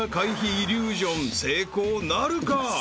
イリュージョン成功なるか？］